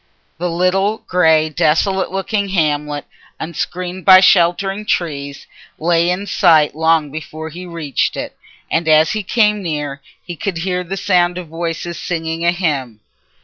The little, grey, desolate looking hamlet, unscreened by sheltering trees, lay in sight long before he reached it, and as he came near he could hear the sound of voices singing a hymn.